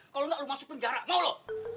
kalau nggak lu masuk penjara mau lu